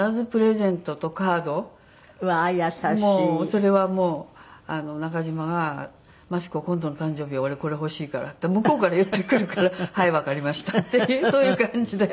それはもう中嶋が「真知子今度の誕生日俺これ欲しいから」って向こうから言ってくるから「はい。わかりました」っていうそういう感じで。